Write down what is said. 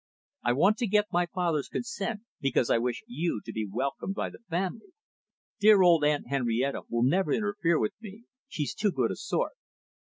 I want to get my father's consent, because I wish you to be welcomed by the family. Dear old Aunt Henrietta will never interfere with me, she's too good a sort."